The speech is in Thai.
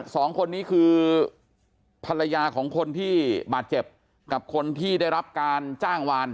สองคนนี้คือภรรยาของคนที่บาดเจ็บกับคนที่ได้รับการจ้างวาน